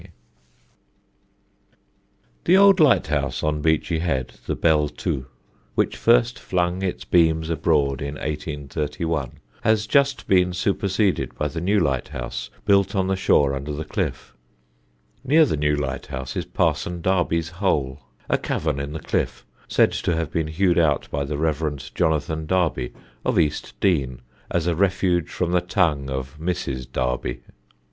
[Sidenote: PARSON DARBY] The old lighthouse on Beachy Head, the Belle Tout, which first flung its beams abroad in 1831, has just been superseded by the new lighthouse built on the shore under the cliff. Near the new lighthouse is Parson Darby's Hole a cavern in the cliff said to have been hewed out by the Rev. Jonathan Darby of East Dean as a refuge from the tongue of Mrs. Darby.